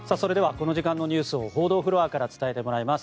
この時間のニュースを報道フロアから伝えてもらいます。